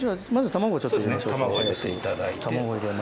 卵を入れていただいて。